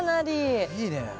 いいねえ。